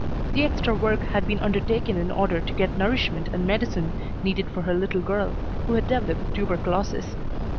The extra work had been undertaken in order to get nourishment and medicine needed for her little girl, who had developed tuberculosis.